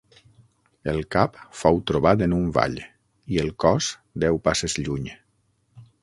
El cap fou trobat en un vall, i el cos, deu passes lluny.